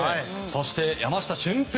そして山下舜平